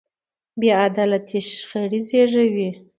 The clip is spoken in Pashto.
بې عدالتي شخړې زېږوي